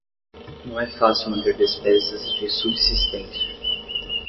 Não é fácil manter despesas de subsistência